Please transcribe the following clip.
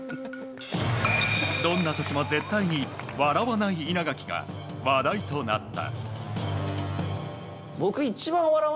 どんな時も絶対に笑わない稲垣が話題となった。